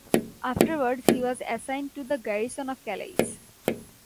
Afterwards, he was assigned to the garrison of Calais.